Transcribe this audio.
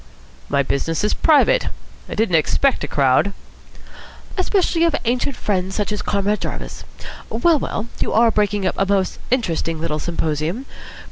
"My business is private. I didn't expect a crowd." "Especially of ancient friends such as Comrade Jarvis. Well, well, you are breaking up a most interesting little symposium.